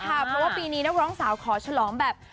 เพราะว่าปีนี้นักร้องสาวขอฉลองแบบ